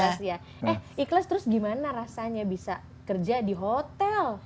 eh ikhlas terus gimana rasanya bisa kerja di hotel